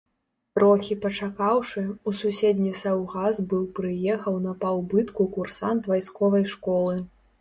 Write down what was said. Трохі пачакаўшы, у суседні саўгас быў прыехаў на пабыўку курсант вайсковай школы.